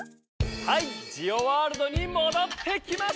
はいジオワールドにもどってきましたよ。